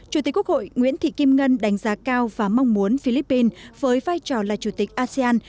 chủ tịch quốc hội nguyễn thị kim ngân đánh giá cao và mong muốn philippines với vai trò là chủ tịch asean